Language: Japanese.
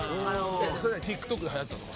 ＴｉｋＴｏｋではやったとか？